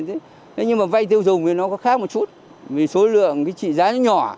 thế nhưng mà vay tiêu dùng thì nó có khác một chút vì số lượng cái trị giá nó nhỏ